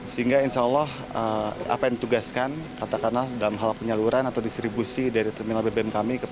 sehingga insya allah apa yang ditugaskan katakanlah dalam hal penyaluran atau distribusi dari terminal bbm kami